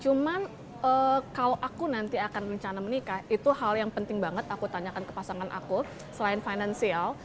cuman kalau aku nanti akan rencana menikah itu hal yang penting banget aku tanyakan ke pasangan aku selain financial